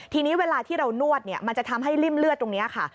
ทีนี้เวลาที่เรานวดเนี่ยมันจะทำให้ริ่มเลือดตรงนี้ค่ะ